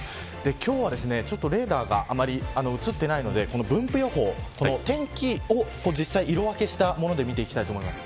今日はレーダーがあまり写っていないので分布予報天気を色分けしたもので見ていきたいと思います。